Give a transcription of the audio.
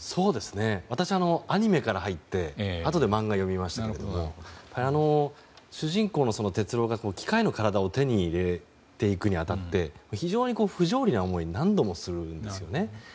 私はアニメから入ってあとで漫画読みましたけど主人公の鉄郎が機械の体を手に入れるに当たって非常に不条理な思いを何度もするんですよね。